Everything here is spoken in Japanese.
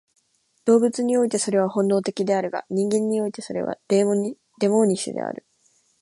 動物においてはそれは本能的であるが、人間においてはそれはデモーニッシュである。